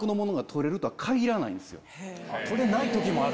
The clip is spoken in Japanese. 取れない時もある。